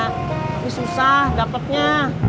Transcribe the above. tapi susah dapetnya